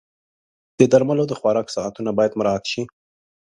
د درملو د خوراک ساعتونه باید مراعت شي.